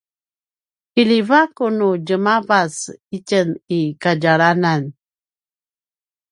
kiljivaku nu djaravac itjen i kadjalanan